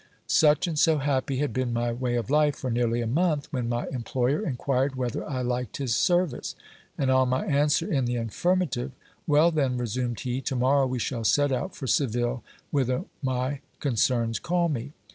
Such and so happy had been my way of life for nearly a month, when my employer inquired whether I liked his service ; and on my answer in the affirmative, Well, then, resumed he, to morrow we shall set out for Seville, v hither my concerns call me.